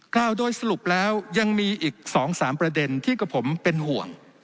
กล่าวโดยสรุปแล้วยังมีอีก๒๓ประเด็นที่กับผมเป็นห่วง